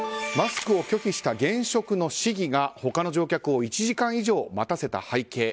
マスクを拒否した現職の市議が他の乗客を１時間以上待たせた背景。